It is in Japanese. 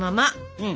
うん。